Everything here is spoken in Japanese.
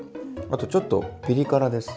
あとちょっとピリ辛です。